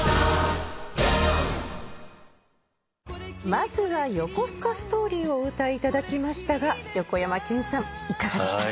まずは『横須賀ストーリー』をお歌いいただきましたが横山剣さんいかがでしたか？